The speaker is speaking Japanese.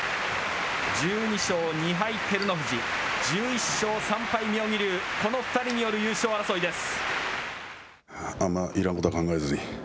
１２勝２敗照ノ富士、１１勝３敗妙義龍、この２人による優勝争いです。